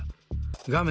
画面